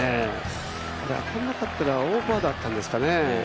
当たらなかったらオーバーだったんですかね。